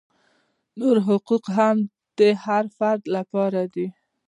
نور حقوق هم د هر فرد لپاره دي.